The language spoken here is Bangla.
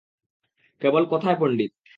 কেবল কথায় পণ্ডিত!